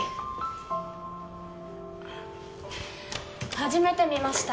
初めて見ました。